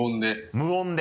無音で。